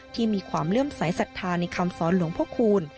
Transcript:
ที่มีความเลื่อมสายศรัทธาในคำสอนหลวงพระคูณ